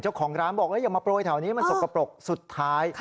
เจ้าของร้านบอกอย่ามาโปรยแถวนี้มันสกปรกสุดท้าย